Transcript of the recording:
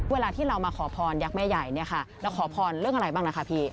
เวลาที่เรามาขอพรยักษ์แม่ใหญ่เนี่ยค่ะเราขอพรเรื่องอะไรบ้างนะคะพี่